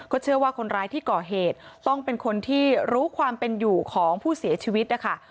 เชื่อว่าคนร้ายที่ก่อเหตุต้องเป็นคนที่รู้ความเป็นอยู่ของผู้เสียชีวิตนะคะ